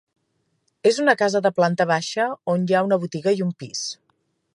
És una casa de planta baixa, on hi ha una botiga, i un pis.